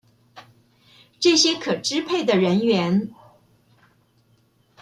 這些可支配的人員